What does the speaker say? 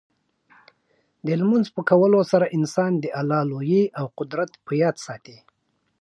د لمونځ په کولو سره انسان د الله لویي او قدرت په یاد ساتي.